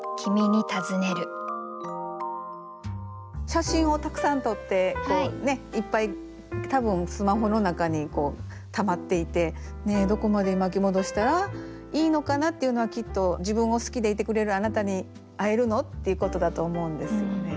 写真をたくさん撮ってこうねいっぱい多分スマホの中にたまっていてどこまで巻き戻したらいいのかなっていうのはきっと自分を好きでいてくれるあなたに会えるの？っていうことだと思うんですよね。